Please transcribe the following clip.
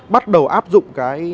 bắt đầu áp dụng